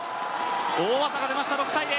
大技が出ました６対０！